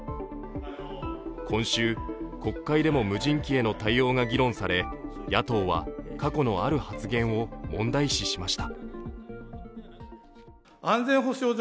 今週、国会でも無人機への対応が議論され野党は過去のある発言を問題視しました。